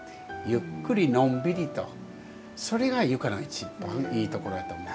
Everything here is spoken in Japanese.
ゆっくりのんびりとそれが床の一番いいところやと思う。